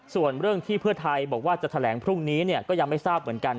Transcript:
ส่วนเรื่องที่เพื่อไทยบอกว่าจะแถลงพรุ่งนี้ก็ยังไม่ทราบเหมือนกัน